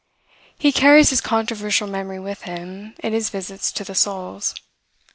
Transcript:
He carries his controversial memory with him, in his visits to the souls.